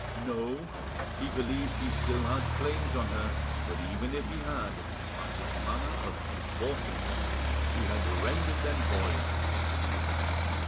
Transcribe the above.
No, he believed he still had claims on her, but even if he had, by his manner of enforcing them he had rendered them void.